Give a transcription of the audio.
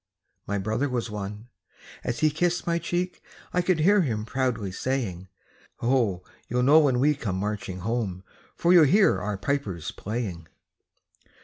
My brother was one. As he kissed my cheek, I could hear him proudly saying: "Ho! you'll know when we come marching home, For you'll hear our pipers playing."